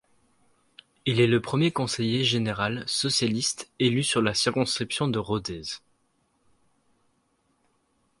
Il est le premier conseiller général socialiste élu sur la circonscription de Rodez.